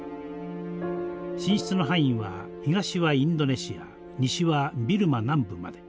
進出の範囲は東はインドネシア西はビルマ南部まで。